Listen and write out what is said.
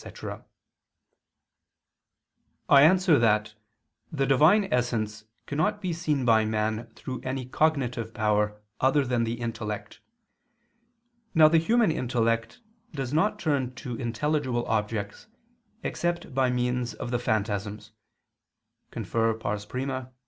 ] I answer that, The Divine essence cannot be seen by man through any cognitive power other than the intellect. Now the human intellect does not turn to intelligible objects except by means of the phantasms [*Cf. I, Q.